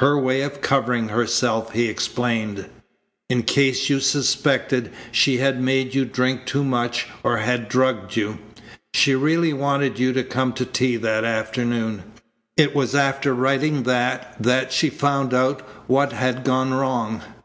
"Her way of covering herself," he explained, "in case you suspected she had made you drink too much or had drugged you. She really wanted you to come to tea that afternoon. It was after writing that that she found out what had gone wrong.